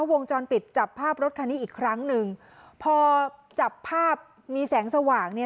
วงจรปิดจับภาพรถคันนี้อีกครั้งหนึ่งพอจับภาพมีแสงสว่างเนี่ย